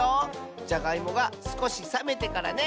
じゃがいもがすこしさめてからね！